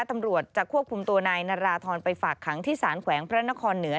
ตำรวจจะควบคุมตัวนายนาราธรไปฝากขังที่สารแขวงพระนครเหนือ